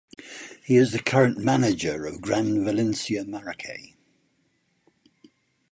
He is the current manager of Gran Valencia Maracay.